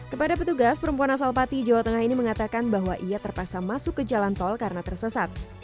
kepada petugas perempuan asal pati jawa tengah ini mengatakan bahwa ia terpaksa masuk ke jalan tol karena tersesat